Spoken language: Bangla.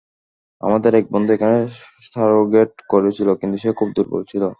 আমাদের এক বন্ধু এখানে সারোগেট করেছিলো, কিন্তু সে খুব দুর্বল ছিল।